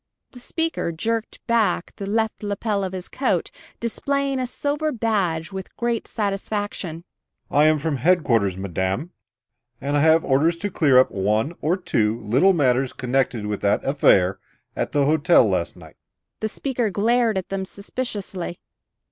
The speaker jerked back the left lapel of his coat, displaying a silver badge with great satisfaction. "I am from headquarters, madame, and I have orders to clear up one or two little matters connected with that affair at the hotel last night." The speaker glared at them suspiciously.